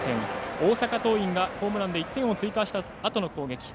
大阪桐蔭がホームランで１点を追加したあとの攻撃。